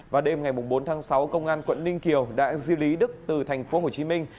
và đêm ngày bốn tháng sáu công an quận ninh kiều đã di lý đức từ thành phố hồ chí minh